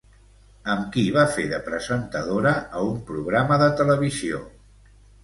Amb qui va fer de presentadora a un programa de televisió?